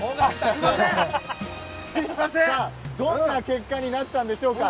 どんな結果になったんでしょうか。